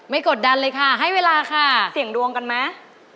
กดดันเลยค่ะให้เวลาค่ะเสี่ยงดวงกันไหม